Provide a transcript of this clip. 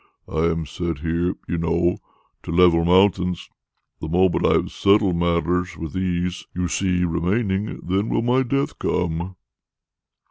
I am set here, you know, to level mountains. The moment I have settled matters with these you see remaining, then will my death come!"